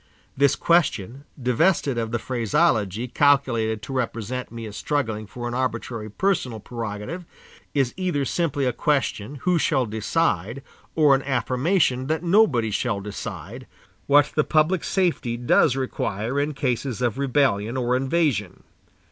This question, divested of the phraseology calculated to represent me as struggling for an arbitrary personal prerogative, is either simply a question who shall decide or an affirmation that nobody shall decide, what the public safety does require in cases of rebellion or invasion.